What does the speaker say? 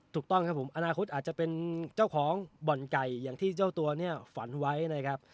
ถูกต้องครับผมอนาคตอาจจะเป็นเจ้าของบ่อนไก่อย่างที่เจ้าตัวเนี่ยฝันไว้นะครับ